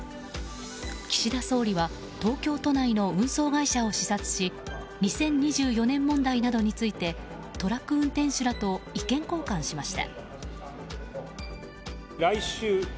岸田総理は東京都内の運送会社を視察し２０２４年問題などについてトラック運転手らと意見交換しました。